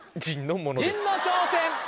陣の挑戦！